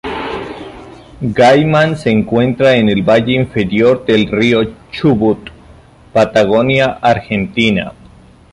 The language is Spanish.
Gaiman se encuentra en el Valle inferior del río Chubut, Patagonia Argentina.